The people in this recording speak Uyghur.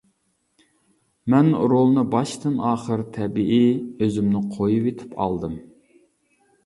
مەن رولنى باشتىن-ئاخىر تەبىئىي، ئۆزۈمنى قويۇۋېتىپ ئالدىم.